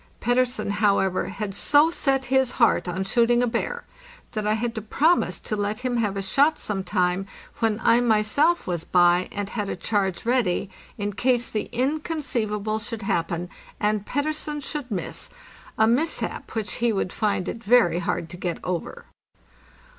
Pettersen, how ever, had so set his heart on shooting a bear, that I had to prom ise to let him have a shot some time when I myself was by and had a charge ready, in case the inconceivable should happen, and Pettersen should miss—a mishap which he would find it very hard to get over.